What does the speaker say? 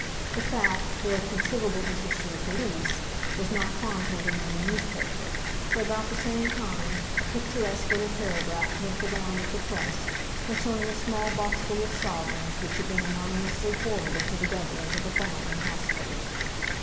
The fact, though of considerable interest to the police, was not chronicled in any newspaper, but about the same time a picturesque little paragraph went the round of the press concerning a small boxful of sovereigns which had been anonymously forwarded to the Governors of the Foundling Hospital.